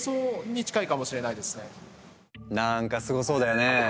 なんかすごそうだよね？